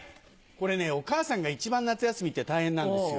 これねお母さんが一番夏休みって大変なんですよ。